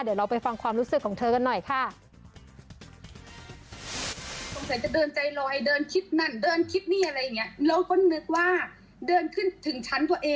เดี๋ยวเราไปฟังความรู้สึกของเธอกันหน่อยค่ะ